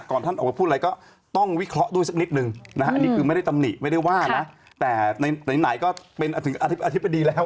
จริงภาพพ่ออาจจะอยู่ที่โรงพยาบาลมุมใดมุมหนึ่งก็ได้